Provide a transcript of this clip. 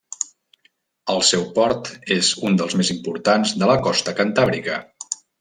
El seu port és un dels més importants de la costa cantàbrica.